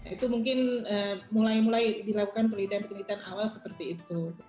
itu mungkin mulai mulai dilakukan penelitian penelitian awal seperti itu